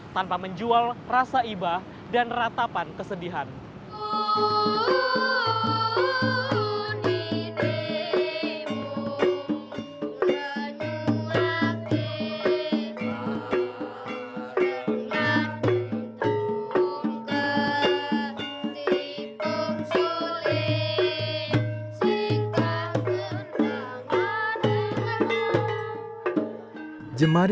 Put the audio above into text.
tanpa menjual rasa ibah dan ratapan kesedihan